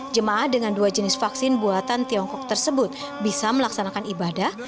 jemaah dengan dua jenis vaksin buatan tiongkok tersebut bisa melaksanakan ibadah